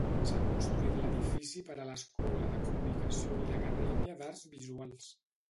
S"ha construït l"edifici per a l"Escola de comunicació i l"acadèmia d"arts visuals.